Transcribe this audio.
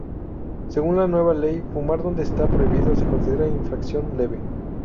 Según la nueva ley: fumar donde está prohibido se considerará infracción leve.